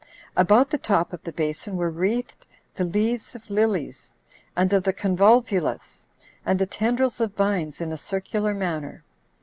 About the top of the basin were wreathed the leaves of lilies, and of the convolvulus, and the tendrils of vines in a circular manner.